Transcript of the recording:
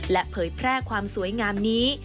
และเผยแพร่ความสวยงามนี้